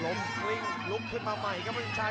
กลิ้งลุกขึ้นมาใหม่ครับวินชัย